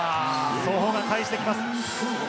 ソホが返してきます。